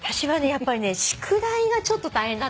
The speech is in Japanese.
やっぱりね宿題がちょっと大変だった。